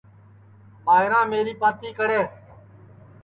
ٻائیراں میری پاتی کڑے